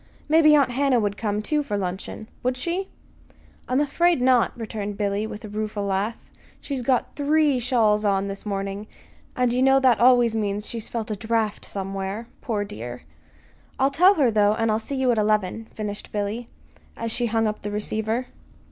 Maybe Aunt Hannah would come, too, for luncheon. Would she?" "I'm afraid not," returned Billy, with a rueful laugh. "She's got three shawls on this morning, and you know that always means that she's felt a draft somewhere poor dear. I'll tell her, though, and I'll see you at eleven," finished Billy, as she hung up the receiver.